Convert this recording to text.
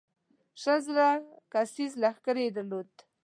شل زره کسیز لښکر یې درلود.